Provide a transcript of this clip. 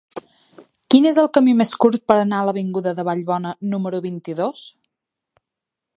Quin és el camí més curt per anar a l'avinguda de Vallbona número vint-i-dos?